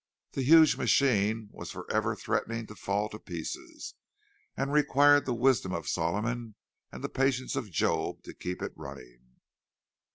The huge machine was for ever threatening to fall to pieces, and required the wisdom of Solomon and the patience of Job to keep it running.